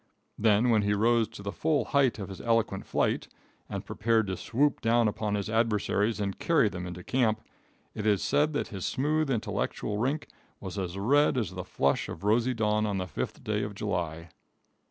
Then, when he rose to the full height of his eloquent flight, and prepared to swoop down upon his adversaries and carry them into camp, it is said that his smooth intellectual rink was as red as the flush of rosy dawn on the 5th day of July.